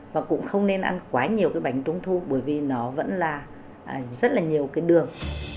và cũng không nên ăn quá nhiều cái bánh trung thu bởi vì nó vẫn là rất là nhiều cái đường